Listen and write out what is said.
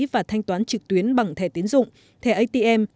và thanh toán trực tuyến bằng thẻ tiến dụng thẻ atm